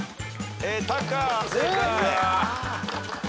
タカ正解。